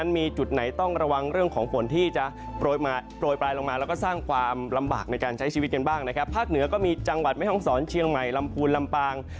มีจังหวัดไม่ฮองศรเชียงใหม่ลำพูนลำปาง